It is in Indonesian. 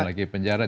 nah itu bagaimana